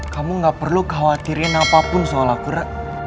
kamu gak perlu khawatirin apapun soal aku rara